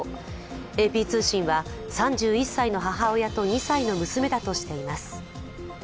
ＡＰ通信は３１歳の母親と２歳の娘だとしています。